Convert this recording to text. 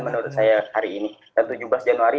menurut saya hari ini dan tujuh belas januari